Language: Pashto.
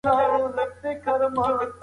حبشي ځواب ورکړ چې دا سپی زما خپل نه دی.